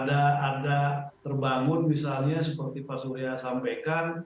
ada terbangun misalnya seperti pak surya sampaikan